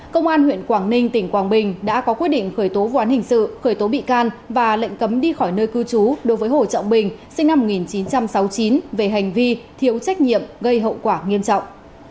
công an huyện quảng ninh tỉnh quảng bình đã có quyết định khởi tố vụ án hình sự khởi tố bị can và lệnh cấm đi khỏi nơi cư trú đối với hồ trọng bình sinh năm một nghìn chín trăm sáu mươi chín về hành vi thiếu trách nhiệm gây hậu quả nghiêm trọng